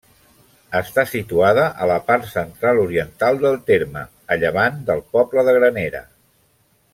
Està situada a la part central-oriental del terme, a llevant del poble de Granera.